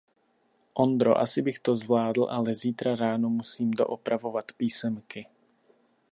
Ondro, asi bych to zvládl, ale zítra ráno musím doopravovat písemky.